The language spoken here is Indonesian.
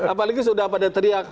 apalagi sudah pada teriak